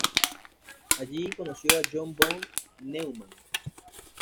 Allí conoció a John von Neumann.